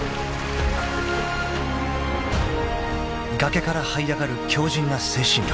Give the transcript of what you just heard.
［崖からはい上がる強靱な精神力］